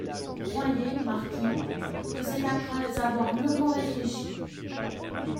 Croyez, marquis, que c’est après avoir mûrement réfléchi…